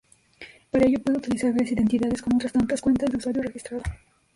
Para ello puede utilizar varias identidades con otras tantas cuentas de usuario registrado.